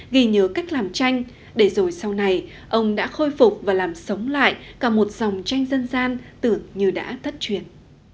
ghi nhớ cách làm tranh để rồi sau này ông đã khôi phục và làm sống lại cả một dòng tranh dân gian tưởng như đã tất truyền